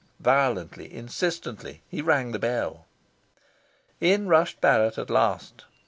Violently, insistently, he rang the bell. In rushed Barrett at last.